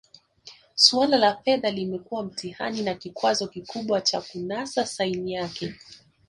Suala la fedha limekuwa mtihani na kikwazo kikubwa cha kunasa saini yake